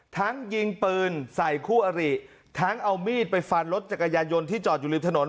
ยิงปืนใส่คู่อริทั้งเอามีดไปฟันรถจักรยานยนต์ที่จอดอยู่ริมถนน